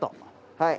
はい。